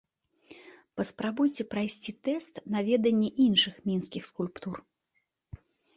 Паспрабуйце прайсці тэст на веданне іншых мінскіх скульптур!